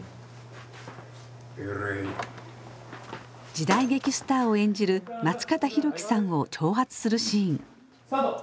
時代劇スターを演じる松方弘樹さんを挑発するシーン。スタート！